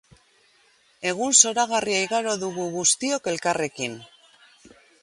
Egun zoragarria igaro dugu guztiok elkarrekin